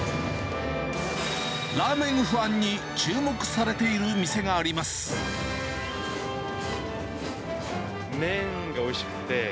ラーメンファンに注目されて麺がおいしくて。